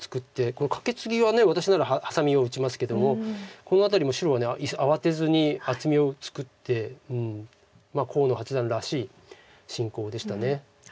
このカケツギは私ならハサミを打ちますけどもこの辺りも白は慌てずに厚みを作って河野八段らしい進行でした。